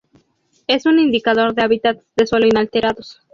Es un indicador de hábitats de suelo inalterados